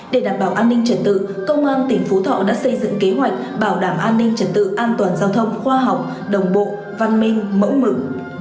để đảm bảo an ninh trật tự công an tỉnh phú thọ đã xây dựng kế hoạch bảo đảm an ninh trật tự an toàn giao thông khoa học đồng bộ văn minh mẫu mực